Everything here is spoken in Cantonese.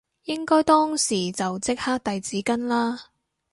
應該當時就即刻遞紙巾啦